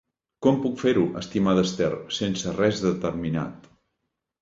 Com puc fer-ho, estimada Esther, sense res determinat!